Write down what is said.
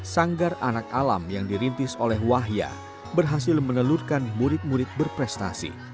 sanggar anak alam yang dirintis oleh wahya berhasil menelurkan murid murid berprestasi